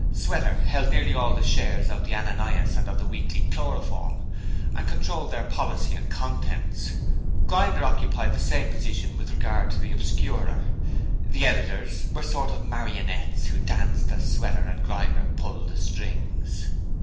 Sweater held nearly all the shares of the Ananias and of the Weekly Chloroform, and controlled their policy and contents. Grinder occupied the same position with regard to the Obscurer. The editors were a sort of marionettes who danced as Sweater and Grinder pulled the strings.